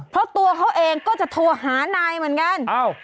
เพราะตัวเขาเองก็จะโทรหานายเหมือนกัน